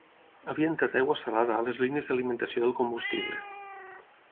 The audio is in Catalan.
Havia entrat aigua salada a les línies d'alimentació del combustible.